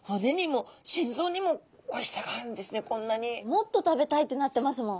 もっと食べたいってなってますもん。